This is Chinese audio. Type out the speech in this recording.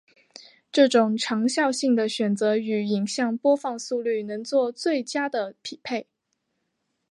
这种长效性的选择与影像播放速率能做最佳的匹配。